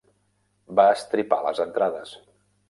Va estripar les entrades.